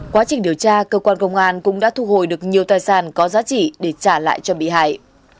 quá trình điều tra cơ quan công an cũng đã thu hồi được nhiều tài sản có giá trị để trả lại cho bị hại